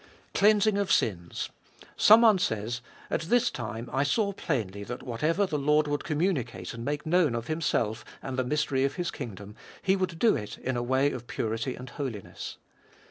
3. "Cleansing of sins." Some one says: "At this time I saw plainly that whatever the Lord would communicate and matte known of Himself and the mystery of His kingdom, He would do it in a way of purity and holiness."